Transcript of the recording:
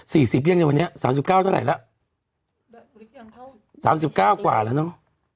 สิบยังในวันนี้สามสิบเก้าเท่าไหร่แล้วสามสิบเก้ากว่าแล้วเนอะ